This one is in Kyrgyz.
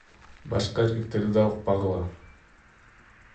Башка эркектерди да укпагыла.